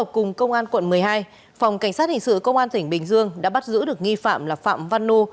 cùng công an quận một mươi hai phòng cảnh sát hình sự công an tỉnh bình dương đã bắt giữ được nghi phạm là phạm văn nô